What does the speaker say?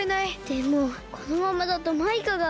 でもこのままだとマイカが。